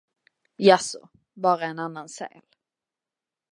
Jaså, bara en annan säl.